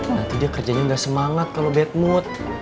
nanti dia kerjanya udah semangat kalau bad mood